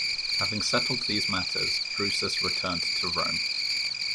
Having settled these matters, Drusus returned to Rome.